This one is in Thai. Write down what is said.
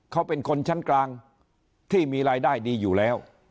เขาเป็นคนชั้นกลางที่มีรายได้ดีอยู่แล้ว